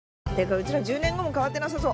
うちら１０年後も変わってなさそう。